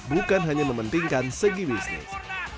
bukan hanya mementingkan segi bisnis